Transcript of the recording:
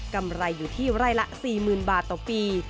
กำไรอยู่ที่ไร่ละ๔๐๐๐บาทต่อปี